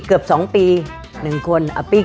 คุณพ่อมีลูกทั้งหมด๑๐ปี